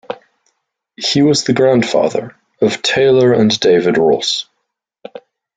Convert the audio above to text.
He was the grandfather of Taylor and David Ross.